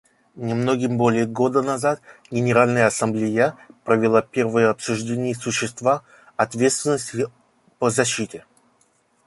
Немногим более года назад Генеральная Ассамблея провела первое обсуждение существа «ответственности по защите».